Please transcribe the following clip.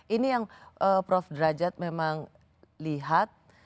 ini yang prof derajat memang lihat